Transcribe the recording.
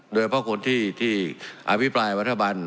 โดยเพราะคนที่อภิปรายวัฒบัน